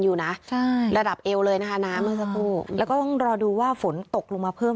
อยู่น่ะใช่ระดับเอวเลยนะคะน้ำแล้วก็ต้องรอดูว่าฝนตกลงมาเพิ่ม